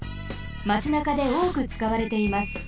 まちなかでおおくつかわれています。